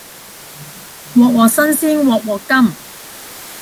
鑊鑊新鮮鑊鑊甘